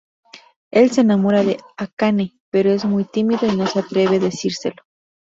Él se enamora de Akane, pero es muy tímido y no se atreve decírselo.